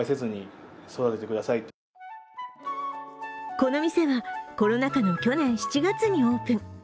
この店はコロナ禍の去年７月にオープン。